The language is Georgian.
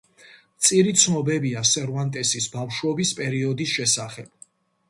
მწირი ცნობებია სერვანტესის ბავშვობის პერიოდის შესახებ.